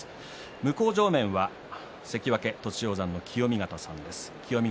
向正面は関脇栃煌山の清見潟さんです。